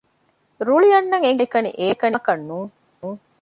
ރުޅިއަންނަން އެނގެނީ ހަމައެކަނި އޭނާއަކަށް ނޫން